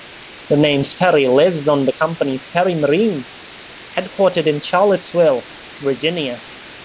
The name Sperry lives on in the company Sperry Marine, headquartered in Charlottesville, Virginia.